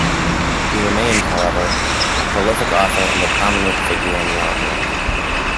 He remained, however, a prolific author and a prominent figure in the art world.